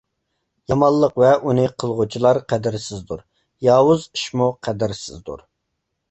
يامانلىق ۋە ئۇنى قىلغۇچىلار قەدىرسىزدۇر. ياۋۇز ئىشمۇ قەدىرسىزدۇر.